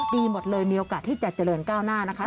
ดีหมดเลยมีโอกาสที่จะเจริญก้าวหน้านะคะ